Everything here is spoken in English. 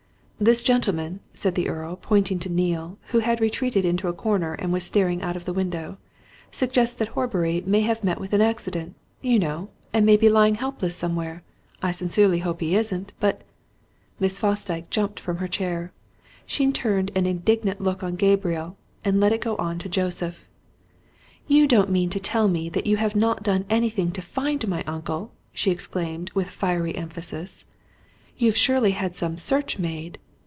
"This gentleman," said the Earl, pointing to Neale, who had retreated into a corner and was staring out of the window, "suggests that Horbury may have met with an accident, you know, and be lying helpless somewhere. I sincerely hope he isn't but " Miss Fosdyke jumped from her chair. She turned an indignant look on Gabriel and let it go on to Joseph. "You don't mean to tell me that you have not done anything to find my uncle?" she exclaimed with fiery emphasis. "You've surely had some search made?